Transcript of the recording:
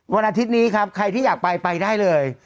วันอาทิตย์นี้ครับใครที่อยากไปไปได้เลย